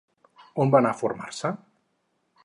On va anar a formar-se?